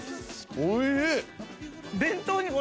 おいしい。